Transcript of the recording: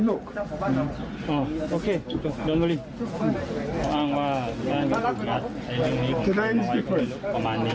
ตอนกลางนั้นไง